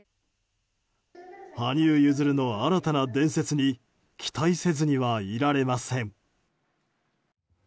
羽生結弦の新たな伝説に期待せずにはいられません。